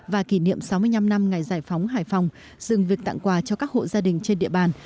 và kỷ niệm sáu mươi năm năm ngày giải phóng hải phòng dừng việc tặng quà cho các hộ gia đình trên địa bàn